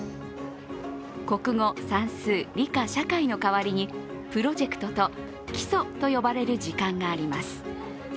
国語・算数・理科・社会の代わりにプロジェクトと基礎と呼ばれる時間があります。